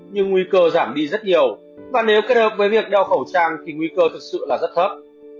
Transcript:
nhưng nguy cơ giảm đi rất nhiều và nếu kết hợp với việc đeo khẩu trang thì nguy cơ thật sự là rất thấp